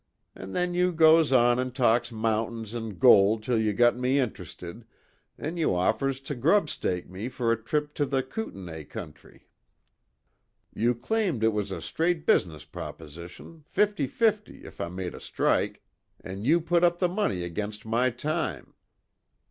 An' then you goes on an talks mountains an' gold till you got me interested, an' you offers to grub stake me for a trip into the Kootenay country. You claimed it was a straight business proposition fifty fifty if I made a strike, an' you put up the money against my time."